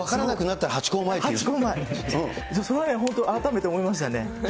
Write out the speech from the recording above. その辺、本当に改めて思いましたね。